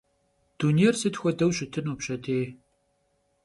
Dunêyr sıt xuedeu şıtınu pşedêy?